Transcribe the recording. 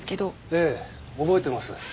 ええ覚えてます。